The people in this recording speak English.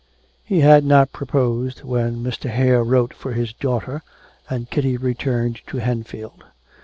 He had not proposed when Mr. Hare wrote for his daughter, and Kitty returned to Henfield.